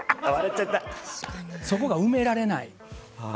そこが埋められない。